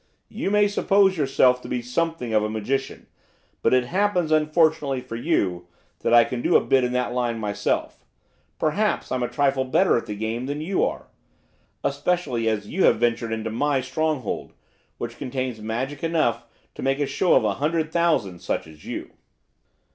You may suppose yourself to be something of a magician, but it happens, unfortunately for you, that I can do a bit in that line myself, perhaps I'm a trifle better at the game than you are. Especially as you have ventured into my stronghold, which contains magic enough to make a show of a hundred thousand such as you.